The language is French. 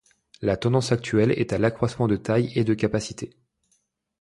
La tendance actuelle est à l'accroissement de taille et de capacité.